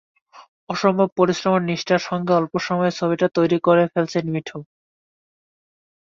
অসম্ভব পরিশ্রম আর নিষ্ঠার সঙ্গে অল্প সময়ে ছবিটা তৈরি করে ফেলেছে মিঠু।